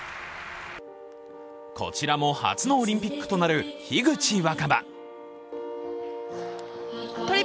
こちらも初のオリンピックとなる樋口新葉。